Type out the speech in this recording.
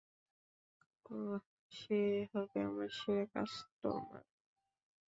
ওহ, সে হবে আমার সেরা কাস্টোমার।